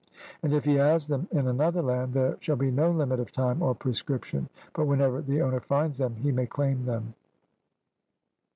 And if he has them in another land, there shall be no limit of time or prescription, but whenever the owner finds them he may claim them.